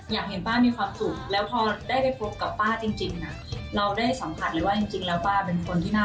อยากเห็นป้ามีความสุขแล้วพอได้ไปพบกับป้าจริงนะ